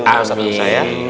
untuk ustadz musa ya